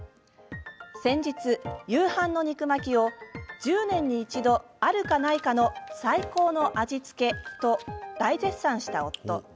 先日、夕飯の肉巻きを１０年に一度あるかないかの最高の味付け！と大絶賛した夫。